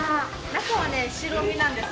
中はね、白身なんです。